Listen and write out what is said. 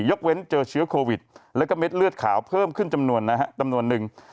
ยกเว้นเจอเชื้อโควิดแล้วก็เม็ดเลือดขาวเพิ่มขึ้นจำนวนนึง